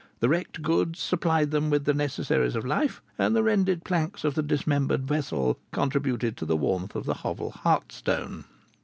The wrecked goods supplied them with the necessaries of life, and the rended planks of the dismembered vessel contributed to the warmth of the hovel hearthstone.